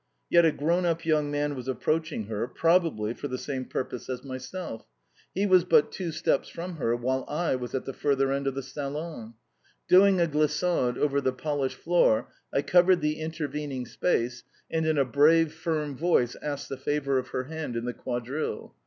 Yet a grown up young man was approaching her probably for the same purpose as myself! He was but two steps from her, while I was at the further end of the salon. Doing a glissade over the polished floor, I covered the intervening space, and in a brave, firm voice asked the favour of her hand in the quadrille.